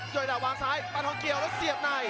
ยดาวางซ้ายปานทองเกี่ยวแล้วเสียบใน